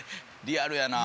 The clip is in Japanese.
リアルやな。